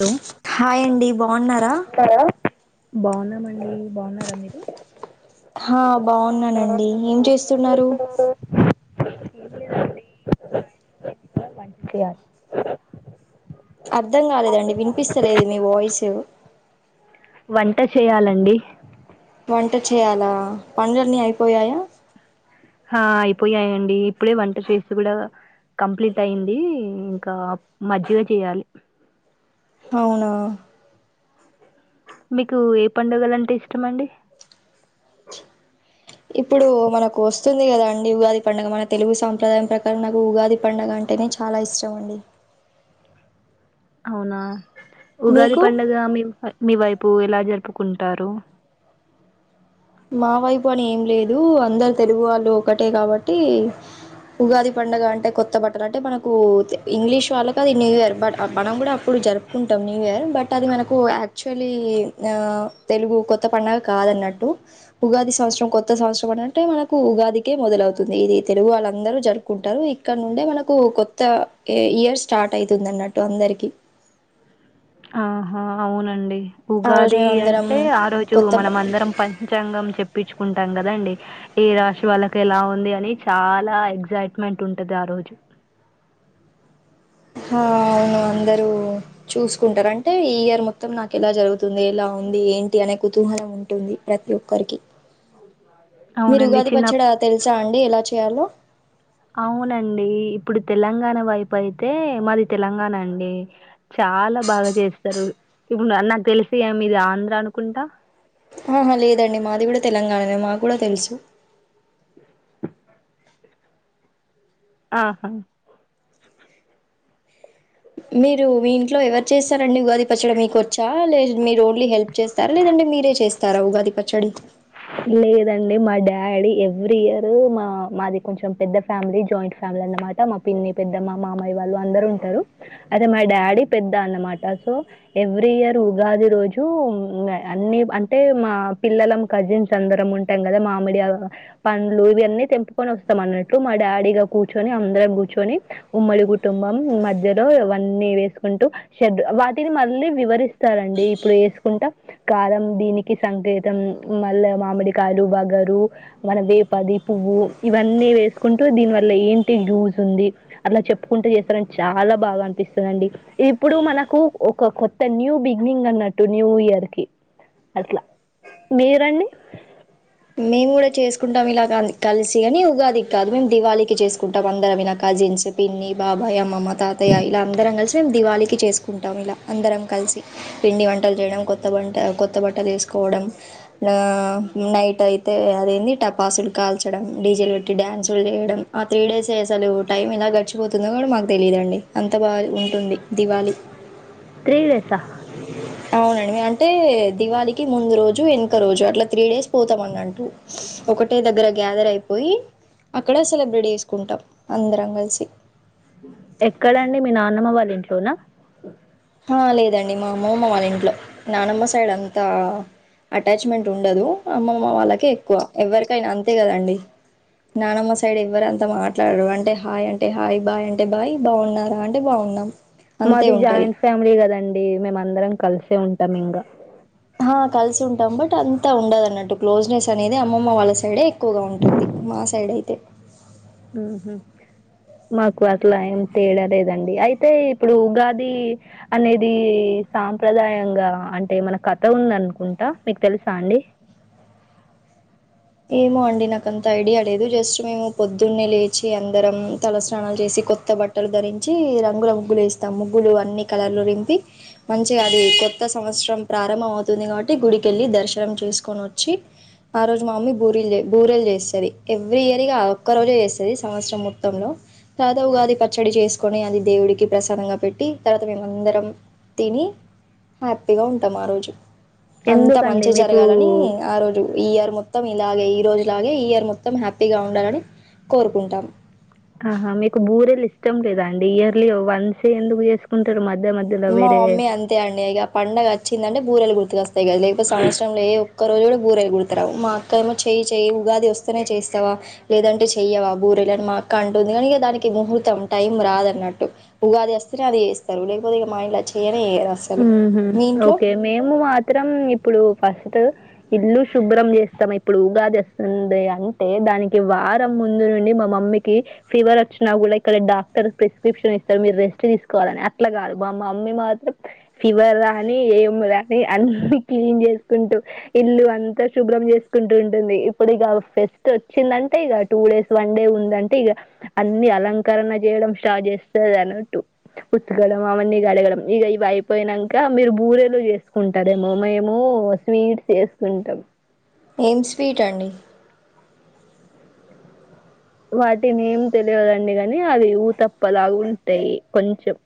Hello hi అండి బాగున్నారా hello బాగున్నామండి బాగున్నారా మీరు ఆ బాగున్నానండి ఏం చేస్తున్నారు ఏం లేదండి బయట పని చేయాలి అర్ధం కాలేదండి వినిపిస్తలేదు మీ వాయిస్ వంట చేయాలండి వంట చేయాలా పనులన్నీ అయిపోయాయా ఆ అయిపోయాయండి ఇప్పుడే వంట చేసి కూడా కంప్లీట్ అయింది ఇంకా మజ్జిగ చేయాలి అవునా మీకు ఏ పండుగలు అంటే ఇష్టమండి ఇప్పుడు మనకు వస్తుంది కదా అండి ఉగాది పండుగ మన తెలుగు సాంప్రదాయం ప్రకారం నాకు ఉగాది పండగ అంటేనే చాలా ఇష్టం అండి అవునా ఉగాది మీకు పండగ మీ మీ వేపు పు ఎలా జరుపుకుంటారు మావేపు అని ఏంలేదు అందరు తెలుగు వాళ్ళు ఒకటే కాబట్టి ఉగాది పండగ అంటే కొత్త బట్టలు అంటే మనకు ఇంగ్లీష్ వాళ్ళకు అది న్యూ ఇయర్ బట్ మనం కూడా అప్పుడు జరుపుకుంటాం న్యూఇయర్ బట్ అది మనకు యాక్చువల్లీ ఆ తెలుగు కొత్తపండగ కాదన్నట్టు ఉగాది సంవత్సరం కొత్త సంవత్సరం అని అంటే మనకు ఉగాదికే మొదలవుతది ఇది తెలుగు వాళ్ళందరూ జరుపుకుంటారు ఇక్కడ నుండే మనకు కొత్త ఇయర్ స్టార్ట్ అవుతుంది అన్నట్టు అందరికి ఆహా అవునండి ఆ రోజు ఉగాది మేము అందరం అంటే ఆ రోజు కొత్త మనం అందరం పంచాంగం చెప్ ప్పించుకుంటాం కదండి ఏ రాశి వాళ్ళకి ఎలా ఉంది అని చాలా ఎక్సయిట్మెంట్ ఉంటది ఆ రోజు ఆ అవును అందరూ చూసుకుంటారు అంటే ఈ ఇయర్ మొత్తం నాకు ఎలా జరుగుతుంది ఎలా ఉంది ఏంటి అనే కుతూహలం ఉంటుంది ప్రతి ఒక్కరికి మీరు అవునండి. ఉగాది చిన్న పచ్చడా తెల్సా అం డి అంటే ఎలా చేయాలో అవునండి ఇప్పుడు తెలంగాణ వైపు అయితే మాది తెలంగాణ అండి చాలా బాగా చేస్తారు ఇప్పుడు నాకు తెలిసి మీది ఆంధ్ర అనుకుంటా. ఆహా లేదండి మాది కూడా తెలంగాణనే మాకు కూడా తెలుసు ఆహా మీరు మీ ఇంట్లో ఎవరు చేస్తారండి ఉగాది పచ్చడ మీకు వచ్చా లే మీరు ఓన్లీ హెల్ప్ చేస్తార లేదంటే మీరే చేస్తా తారా ఉగాది పచ్చడి లేదండి మా డాడీ ఎవ్రీ ఇయరు మా మాది కొంచెం పెద్ద ఫ్యామిలీ జాయింట్ ఫ్యామిలీ అన్నమాట మా పిన్ని పెద్దమ్మ మామయ్యా వాళ్ళు అందరు ఉంటారు అదే మా డాడీ పెద్ద అన్నమాట సో ఎవ్రీ ఇయర్ ఉగాది రోజు ఇగ అన్ని అంటే మా పిల్లలం కజిన్స్ అందరం ఉంటాం కదా మామిడి పండ్లు ఇవన్నీ తెంపుకొని వస్తాం అన్నట్టు మా డాడీ ఇగ కూర్చొని అందరం కూర్చొని ఉమ్మడి కుటుంబం మధ్యలో ఇవన్నీ వేసుకుంటూ షెడ్ వాటిని మళ్ళీ వివరిస్తారండి ఇప్పుడు వేసుకుంటా కాలం దీనికి సంకేతం మళ్ళా మామిడికాయలు ఒగరు మన వేపది పువ్వు ఇవన్నీ వేసుకుంటూ దీని వల్ల ఏంటి యూజ్ ఉంది అట్లా చెప్పుకుంటూ చేస్తారని చాలా బాగా అనిపిస్తుందండి ఇప్పుడు మనకు ఒక కొత్త న్యూ బిగినింగ్ అన్నట్టు న్యూ ఇయర్ కి అట్లా మీరండి మేము కూడా చేసుకుంటాం ఇలా కలిసి కని ఉగాది కాదు మేము దివాళీకి చేసుకుంటాం అందరం ఇలా కజిన్స్ పిన్ని బాబాయ్య అమ్మమ్మ తాతయ్య ఇలా అందరం కలిసి మేము దివాళికి చేసుకుంటాం ఇలా అందరం కలిసి పిండి వంటలు చేయడం కొత్త బంట కొత్త బట్టలు వేసుకోవడం నైట్ ట్ అయితే అదేంది టపాసులు కాల్చడం డీజేలు పెట్టి డ్యాన్సులు చేయడం ఆహ్ త్రీ డేస్ అసలు టైం ఎలా గడిచిపోతుందో కూడా మాకు తెలియదండి అంత బాగా ఉంటుంది దివాళి డేసా? అవునండి అంటే దివాళికి ముందు రోజు వెనక రోజు అట్లా త్రీ డేస్ పోతు ఒకటే దగ్గర గ్యాదర్ అయిపోయి అక్కడ సెలబ్రేట్ చేసుకుంటాం అందరం కలిసి ఎక్కడండి మీ నాన్నమ్మ వాళ ళ్ళింట్లోనా ఆహ్ లేదండి మా అమ్మమ్మ వాళ్ళ ఇంట్లో నానమ్మ సైడ్ అంతా అటాచ్మెంట్ ఉండదు అమ్మమ్మ వాళ్ళకే ఎక్కువ ఎవ్వరికైనా అంతే కదండి నానమ్మ సైడ్ ఎవ్వరు అంతా మాట్లాడరు అంటే హాయ్ అంటే హాయ్ బాయ్ అంటే బాయ్ బాగున్నారా అంటే బాగున్నాం. అంతే మది ఉంటది జాయింట్ ఫ్యామి లీ కదండి మేము అందరం కలిసే ఉంటాం ఇంగ ఆహ్ కలిసి ఉంటాం బట్ అంతా ఉండదున్నట్టు క్లోజ్నెస్ అనేది అమ్మమ్మ వాళ్ళ సైడే ఎక్కువగా ఉంటుంది మా సైడ్ అయితే ఊహు మాకు అట్లా ఏం తేడాలేదండి అయితే ఇప్పుడు ఉగాది అనేది సాంప్రదాయంగా అంటే మన కథ ఉందనుకుంటా మీకు తెలుసా అండి. ఏమో అండి నాకంత ఐడియా లేదు జస్ట్ మేము పొద్దున్నే లేచి అందరం తలస్నానాలు చేసి కొత్త బట్టలు ధరించి రంగుల ముగ్గులు వేస్తాం ముగ్గులు అన్ని కలర్లు నింపి మంచిగా అది కొత్త సంవత్సరం ప్రారంభం అవుతుంది కాబట్టి గుడికి వెళ్ళి దర్శనం చేసుకొని వచ్చి ఆ రోజు మా మమ్మీ బూరిలు బూరెలు చేస్తది ఎవ్రీ ఇయర్ ఇగ ఆ ఒక్క రోజు చేస్తది సంవత్సరం మొత్తంలో తర్వాత ఉగాది పచ్చడి చేస్ కొని అది దేవుడికి ప్రసాదంగా పెట్టి తర్వాత మేముందరం తిని హ్యాపీగా ఉంటాము ఆ రోజు అంతా ఎందుకండి మంచిగా మీకు జరగాలని ఆ రోజు ఈ ఇయర్ మొత్తం ఇలాగే ఈ రోజు లాగే ఈ ఇయర్ మొత్తం హ్యాపీగా ఉండాలని కోరుకుంటాం. ఆహా మీకు బూరేలు ఇష్టం లేదా అండి ఇయర్లీ వన్స్ ఎందుకు చేసుకుంటారు మర్ మా మమ్మీ అంతే అండి ఇగ పండగ వచ్చిందంటే బూరేలు గుర్తుకువస్ అంతే గదా లేకపోతే సంవత్సరం లో ఏ ఒక ఒక్కరోజు కూడా బూరెలు గుర్తు రావు మా అక్క ఏమో చేయి చేయి ఉగాది వస్తేనే చేస్తావా లేదంటే చెయ్యవా బూరెలు అని మా అక్క అంటుంది కానీ ఇక దానికి ముహూర్తం టైం రాదన్నట్టు ఉగాది వస్తేనే అది చేస్తారు లే మరి ఇగ మా ఇంట్లో చేయరు ఊహు మీ ఇంట్లో ఓకే మేము మాత్రం ఇప్పుడు పస్ ఫస్టు ఇల్లు శుభ్రం చేస్తాం. ఇప్పుడు ఉగాదొస్తుంది అంటే దానికి వారం ముందు నుండి మా మమ్మీకి ఫీవర్ వచ్చినా కూడా ఇక్కడ డాక్టర్ ప్రిస్క్రిప్షన్ ఇస్తారు. మీరు రెస్ట్ తీసుకోవాలని అట్లా కాదు మా మమ్మీ మాత్రం ఫీవర్ రాని ఏం రాని అన్నీ క్లీన్ చేసుకుంటూ ఇల్లు అంతా శుభ్రం చేసుకుంటూ ఉంటుంది. ఇప్పుడు ఇక ఫెస్ట్ వచ్చిందంటే ఇగ టూ డేస్ వన్ డే ఉందంటే ఇగ అన్నీ అలంకరణ చేయడం స్టార్ట్ చేస్తుంది అన్నట్టు ఉతకడం అవన్నీ కడగడం ఇగ ఇవి అయిపోయినంక మీరు బూరేలు చేసుకుంటారేమో మేము స్వీట్స్ చేసుకుంటం. ఏం స్వీట్ అండి వాటివి నేమ్ తెలియదండి గానీ అవి ఊతప్ప లాగా ఉంటాయి కొంచెం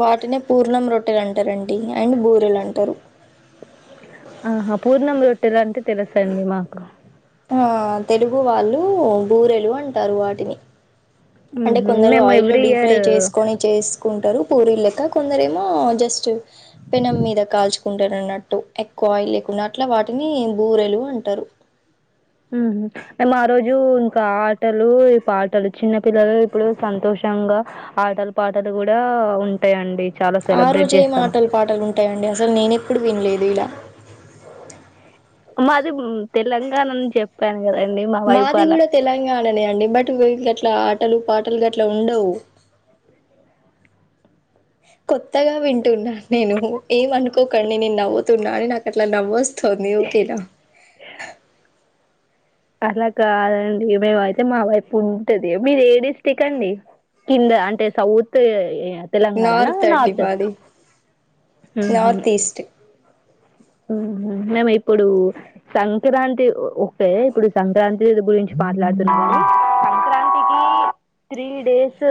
వాటినే పూర్ణం రొట్టెలు అంటారండి అండ్ బూరెలు అంటారు. ఆహా పూర్ణం రొ రొట్టెలు అంటే తెలుస్తాయండీ మాకు ఆ తెలుగు వాళ్ళు బూరెలు అంటారు వాటిని అంటే ఉహు కొందరు మేము ఆయిల్లో ఎవ్రీ డీప్ ఫ్రై ఇయర్ చేసుకని చేసి కుంటారు పూరీలు లెక్క కొందరు ఏమో జస్ట్ పెనం మీద కాల్చు ఉంటారు అన్నట్టు ఎక్కువ ఆయిల్ లేకుండా అట్లా వాటిని బూరెలు అంటారు. ఊహూ మేము ఆరోజు ఇంకా ఆటలు ఈ పాటలు చిన్న పిల్లలు ఇప్పుడు సంతోషంగా ఆటలు పాటలు కూడా ఉంటాయండి. చాలా ఆ సెలబ్రేట్ రోజే ఏ చేస్తాం మాటలు పాటలు ఉంటాయండి అసలు నేన ఎప్పుడు వినలేదు ఇలా మాది తెలంగాణని చెప్పా మాది కూడా తెలంగాణనే అండి బట్ ఇంక అట్లా ఆటలు పాటలు గట్ల ఉండవు. కొత్తగా వింటున్నాను నేను ఏమి అనుకోకండి నేను నవ్వుతున్నా. నాకు అట్లా నవ్వస్ తన్నేవు కిల అలా కాదండి మేమైతే మా వైపు ఉంటది మీరు ఏ డిస్ట్రిక్ట్ అండి కింద అంటే సౌత్ ఏ నార్త్ అండి మాది నార్త్ ఈస్ట్ ఊహూ మేము ఇప్పుడు సంక్రాంతి ఓకే ఇప్పుడు సంక్రాంతి గురించి మాట్లాడుతున్నాము సంక్రాంతికి త్రీ డేసు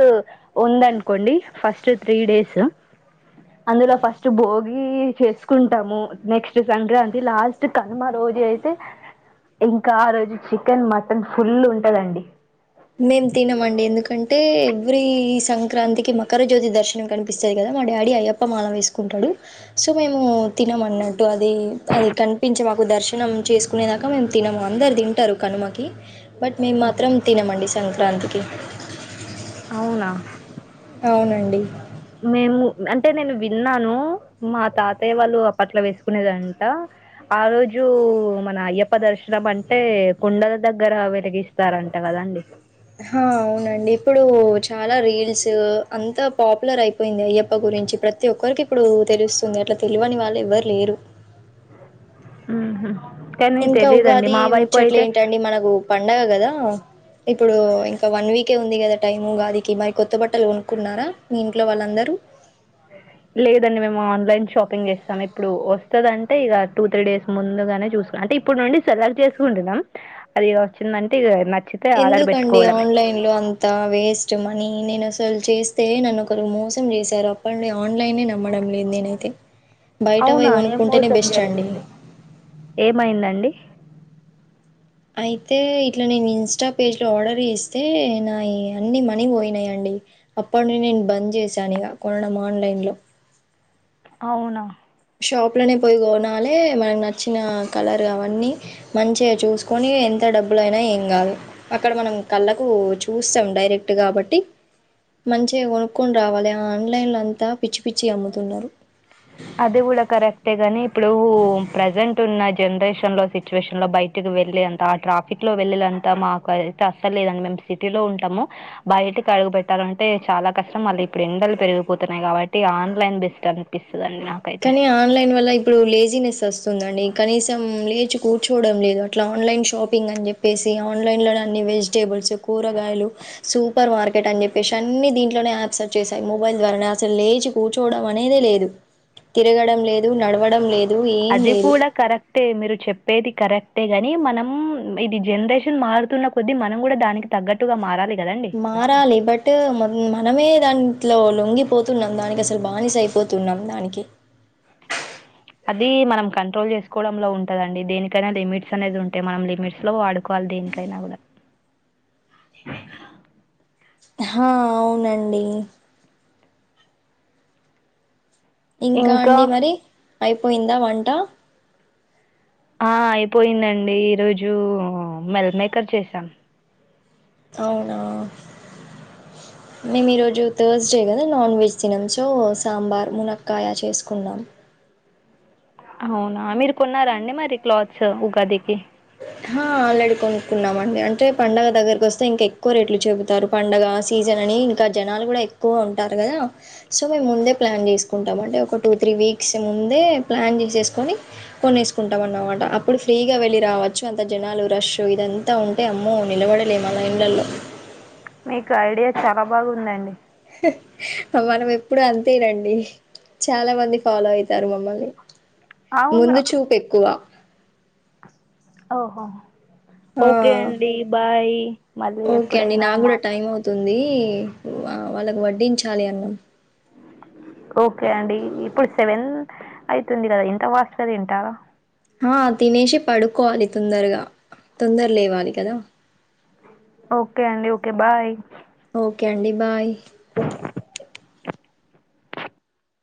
ఉంది అనుకోండి ఫస్ట్ జస్ట్ త్రీ డేస్ అందులో ఫస్ట్ భోగి చేసుకుంటాము నెక్స్ట్ సంక్రాంతి లాస్ట్ కనుమ రోజు అయితే ఇంకా ఆ రోజు చికెన్ మటన్ ఫుల్ ఉంటదండి మేము తినమండి ఎందుకంటే ఎవ్రీ సంక్రాంతికి మకర జ్యోతి దర్శనం కనిపిస్తుది కదా మా డాడీ అయ్యప్ప మాల వేసుకుంటాడు సో మేము తినం అన్నట్టు అది అది కనిపించి మాకు దర్శనం చేసుకునేదాకా మేము తినము అందరు తింటారు కనుమకి బట్ మేము మాత్రం ఈ సంక్రాంతికి అవునా అవునండి మేము అంటే నేను విన్నాను మా తాతయ్య వాళ్ళు అప్పట్లో వేసుకునేదంట ఆ రోజు మన అయ్యప్ప దర్శనం అంటే కుండల దగ్గర వెలిగిస్తారంట కదాండి హ అవునండి ఇప్పుడు చాలా రీల్స్ అంతా పాపులర్ అయిపోయింది అయ్యప్ప గురించి ప్రతి ఒక్కరికి ఇప్పుడు తెలుస్తుంది అట్లా తెలివని వాళ్ళు ఎవరు లేరు ఉహుమ్ ఇంకా ఉగాది ముచ్చట్లు ఏంటండి మనకు పండగ కదా ఇప్పుడు ఇంకా వన్ వీక్ ఓకే ఉంది కదా టైము కాదికి మరి కొత్త బట్టలు కొనుకున్నారా మీ ఇంట్లో వాళ్ళందరూ లేదండి మేము ఆన్లైన్ షాపింగ్ చేస్తాం ఇప్పుడు వస్తుందింటే ఇక టూ త్రీ డేస్ ముందుగానే చూసుకుం అంటే ఇప్పుడు నుండి సెలెక్ట్ చేసుకుంటున్నాం అది ఇగ వచ్చిందంటే ఇగ న ఎందుకండి ఆన్లైన్ లో అంత వేస్ట్ మనీ నేను అస లు అసల్ చేస్తే నన్నుొ ఒకరు మోసం చేశారు అప్పటి నుడి ఆన్లైనే నమ్మడం లేదు నేనైతే బయట పోయి అవునా ఏం కొనుక్కుంటేనే మోసం బెస్ట్ అండి జరిగింది ఏమైందండి అయితే ఇట్లా నేను ఇన్స్టా పేజ్లో ఆర్డర్ చేస్తే నా అన్ని మనీ పోయినాయంండి అప్పటి ను నేను బంద్ చేశాను ఇక కొనడం ఆన్లైన్లో అవునా షాప్లోనే పోయి కొనాలే మనకు నచ్చిన కలర్ అవన్నీ మంచిగా చూసుకొని ఎంత డబ్బులుైనా ఏం కాదు అక్కడ మనం కళ్ళకు చూస్తాం డైరెక్ట్ కాబట్టి మంచిగా కొనుక్కొని రావాలి ఆన్లైన్లో అంతా పిచ్చి పిచ్చి అమ్ముతున్నారు అదే కూడా కరెక్టే గాని ఇప్పుడు ప్రజెంట్ ఉన్న జనరేషన్ లో సిచ్యువేషన్ లో బయటకి వెళ్ళ అంత ఆ ట్రాఫిక్ లో వెళ్ళంత మాకు అయితే అస్సలు లేదండి మేము సిటీలో ఉంటాము బయటకి అడుగు పెట్టాలంటే చాలా కష్టం మళ్ళీ ఇప్పుడు ఎండలు పెరిగిపోతున్నాయి కాబట్టి ఆన్లైన్ బెస్ట్ అనిపిస్తు కానీ ఆన్లైన్ వల్ల ఇప్పుడు లేజీనెస్ వస్తుందండి కనీసం లేచి కూర్చోవడం లేదు అట్లా ఆన్లైన్ షాపింగ్ అని చెప్పేసి ఆన్లైన్ లోనే అన్ని వెజిటేబుల్స్ కూరగాయలు సూపర్ మార్కెట్ అని చెప్పేసి అన్ని దీంట్లోనే యాప్స్ వచ్చేసాయి మొబైల్ ద్వారానే అసలు లేచి కూర్చోవడం అనేదే లేదు తిరగడం లేదు నడవ లే అది కూడా కరెక్టే మీరు చెప్పేది కరెక్ ట గాని మనం ఇది జనరేషన్ మారుతున్న కొద్దీ మనం కూడా దానికి తగ్గట్టుగా మారాలి కదండి మారాలి బట్ మనమే దాని ఇట్లా లొంగిపోతున్నాం దానికి అసలు బానిస అయిపోతున్నాం దానికి అది మనం కంట్రోల్ చేసుకోవడంలో ఉంటదండి దేనికైనా లిమిట్స్ అనేది ఉంటాయి మనం లిమిట్స్ లో వాడుకోవాలి దేనికైనా కూడా హా అవునండి ఇంకా అండి మరి అయిపోయిందా వంట ఆ అయిపోయిందండి ఈరోజు మెల్మేకర్ చేసాం అవునా మేము ఈరోజు థర్స్డే కదా నాన్ వెజ్ తినము సో సాంబార్ మునక్కాయ చేసుకున్నాం అవునా మీరు కొన్నారా అండి మరి క్లాత్స్ ఉగాదికి హా ఆల్రెడీ కొనుక్కున్నామండి అంటే పండగా దగ్గరకు వస్తే ఇంకా ఎక్కువ రేట్లు చెపుుతారు పండగా సీజన్ అని ఇంకా జనాలు కూడా ఎక్కువ ఉంటారు కదా సో మేము ముందే ప్లాన్ చేసుకుంటామ అంటే ఒక టూ త్రీ ఖర్చ్చు అంత జనాలు రష్ ఇదంతా ఉంటే అమ్మో నిలబడలేములా ఎండలో మీకు ఐడియా చాలా బాగుందండి మనం ఎప్పుడు అంతేనండి చాలా మంది ఫాలో అవుతారు మమ్మల్ని అవును ముందు చూపు ఎక్కువ ఓహో ఆ ఓకే అండి బాయ్ మళ్ళీ ఓకే అండి ఎప్పుడైనా నా కూడా టైం మాట్లాడుకో అవుతుంది ఆ వాళ్ళకు వడ్డించాలి అన్నం ఓకే అండి ఇప్పుడు సెవెన్ అయితుంది కదా ఇంత వాస్ క తింటారా ఆ తినేసి పడుకోవాలి తొందరగా తొందర లేవాలి కదా ఓకే అండి ఓకే బాయ్ ఓకే అండి బాయ్